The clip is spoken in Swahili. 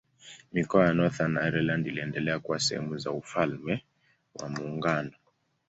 Mikoa ya Northern Ireland iliendelea kuwa sehemu za Ufalme wa Muungano.